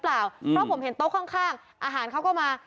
เพราะผมเห็นโต๊ะข้างอาหารเขาก็มา